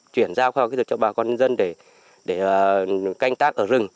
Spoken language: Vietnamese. chuyển giao khoa học kỹ thuật cho bà con nhân dân để canh tác ở rừng